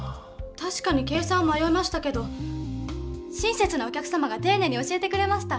たしかに計算をまよいましたけど親切なお客様がていねいに教えてくれました。